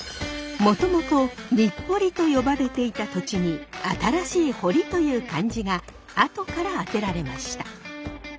もともとにっぽりと呼ばれていた土地に新しい堀という漢字が後から当てられました。